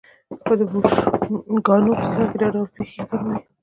خو د بوشنګانو په سیمه کې دا ډول پېښې کمې وې.